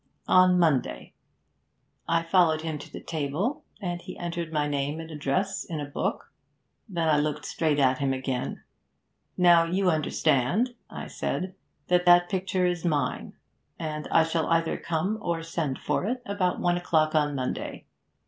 "On Monday." 'I followed him to the table, and he entered my name and address in a book. Then I looked straight at him again. "Now, you understand," I said, "that that picture is mine, and I shall either come or send for it about one o'clock on Monday.